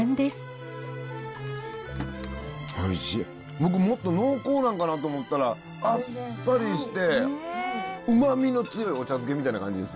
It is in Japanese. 僕もっと濃厚なんかなと思ったらあっさりしてうまみの強いお茶漬けみたいな感じです。